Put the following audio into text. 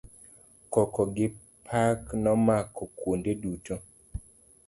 Koko gi pak nomako kuonde duto.